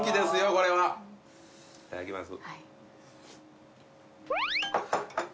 これはいただきます